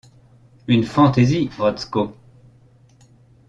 Une fantaisie, Rotzko